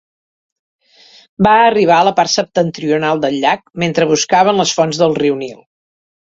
Va arribar a la part septentrional del llac mentre buscaven les fonts del riu Nil.